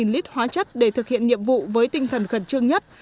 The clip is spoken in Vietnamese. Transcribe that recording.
một trăm hai mươi lít hóa chất để thực hiện nhiệm vụ với tinh thần khẩn trương nhất